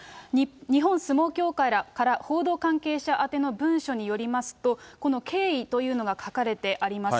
日本相撲協会から報道関係者宛ての文書によりますと、この経緯というのが書かれてあります。